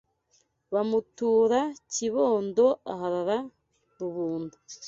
Bamutura Kibondo Aharara rubunda